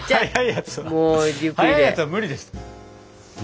はい！